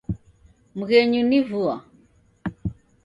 Mghenyu ni vua.